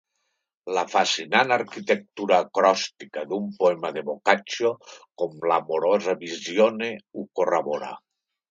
La fascinant arquitectura acròstica d'un poema de Boccaccio com l'Amorosa Visione ho corrobora.